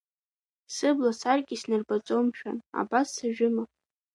Сыбла саркьа иснарбаӡом, мшәан, абас сажәыма?